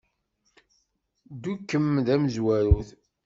Ddu kemm d tamezwarut.